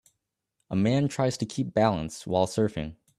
A man tries to keep balance while surfing